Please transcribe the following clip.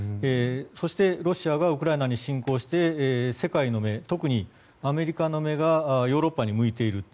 そして、ロシアがウクライナに侵攻して世界の目、特にアメリカの目がヨーロッパに向いている。